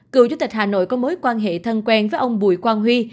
cựu chủ tịch hà nội có mối quan hệ thân quen với ông bùi quang huy